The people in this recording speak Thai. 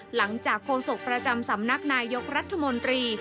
หลังจากโฆษกประจำสำนักนายยกรัฐมนตรี